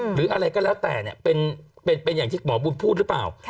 หรืออะไรก็แล้วแต่เป็นอย่างที่หมอบุญพูดหรือเปล่า